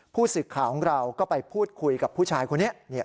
ผู้สื่อข่าวของเราก็ไปพูดคุยกับผู้ชายคนนี้